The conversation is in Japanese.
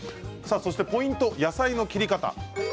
ポイントは野菜の切り方